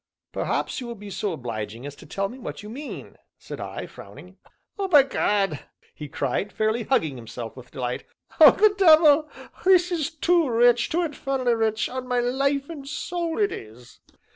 "Perhaps you will be so obliging as to tell me what you mean?" said I, frowning. "Oh, by gad!" he cried, fairly hugging himself with delight. "Oh, the devil! this is too rich too infernally rich, on my life and soul it is!"